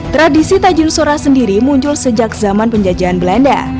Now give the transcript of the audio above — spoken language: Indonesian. tradisi tajin sora sendiri muncul sejak zaman penjajahan belanda